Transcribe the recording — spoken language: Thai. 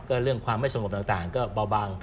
ก็เรื่องความไม่สงบต่างก็เบาบาง